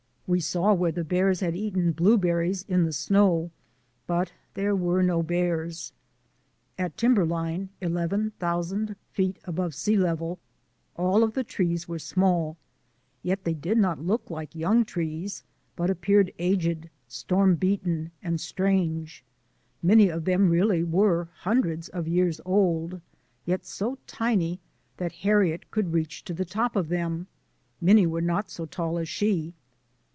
We saw where the bears had eaten blueberries in the snow; but there were no bears. HARRIET— LITTLE MOUNTAIN CLIMBER 233 At timberline, 11,000 feet above sea level, all of the trees were small; yet they did not look like young trees, but appeared aged, storm beaten, and strange. Many of them really were hundreds of years old, yet so tiny that Harriet could reach to the top of them. Many were not so tall as she.